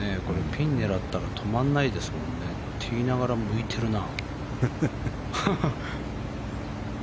ピンを狙ったら止まらないですもんね。と言いながら向いてるな。